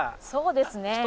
そうですね。